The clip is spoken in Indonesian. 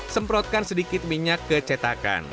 semprotkan sedikit minyak ke cetakan